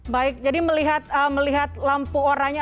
baik jadi melihat lampu oranya